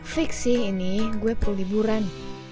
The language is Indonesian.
fix sih ini gue perlu liburan